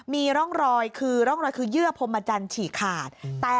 มีร่องรอยคือเยื่อพรหมจรรย์ฉีกขาด